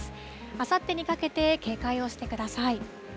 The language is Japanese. あさってにかけて警戒をしてください。